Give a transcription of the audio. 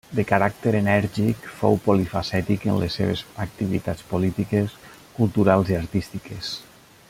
De caràcter enèrgic, fou polifacètic en les seves activitats polítiques, culturals i artístiques.